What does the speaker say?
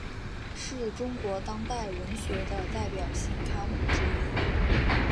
是中国当代文学的代表性刊物之一。